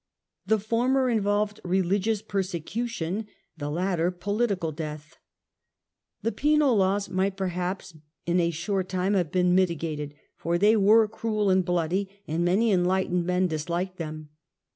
The former involved religious persecution, the latter political death. The Penal Laws might perhaps, in a short time, have been mitigated; for they were cruel and bloody, and many enlightened men disliked them.